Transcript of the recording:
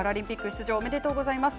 出場おめでとうございます。